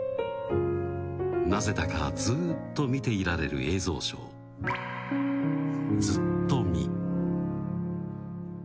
なぜだかずーっと見ていられる映像ショー、ずっとみ。